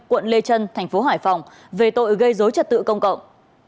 quận lê trân thành phố hải phòng về tội gây dối trật tự công cộng